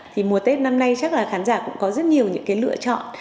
thì mùa tết năm nay chắc là khán giả cũng có rất nhiều những cái lựa chọn